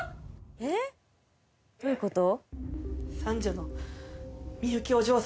えっ？どういうこと？